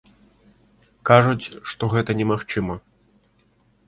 Кажуць, што гэта немагчыма.